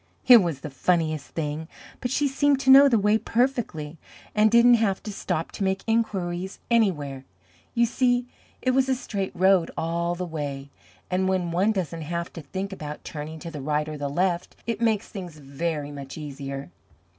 It was the funniest thing, but she seemed to know the way perfectly, and didn't have to stop to make inquiries anywhere. You see it was a straight road all the way, and when one doesn't have to think about turning to the right or the left, it makes things very much easier.